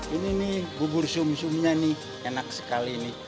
ini nih bubur sum sumnya nih enak sekali ini